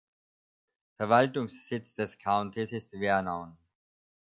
Verwaltungssitz des Countys ist Vernon.